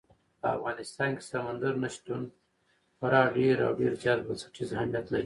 په افغانستان کې سمندر نه شتون خورا ډېر او ډېر زیات بنسټیز اهمیت لري.